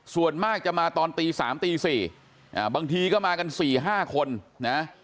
ส่วนมากจะมาตอนตีสามตีสี่บางทีก็มากันสี่ห้าคนนะ